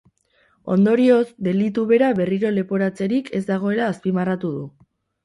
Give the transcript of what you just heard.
Ondorioz, delitu bera berriro leporatzerik ez dagoela azpimarratu du.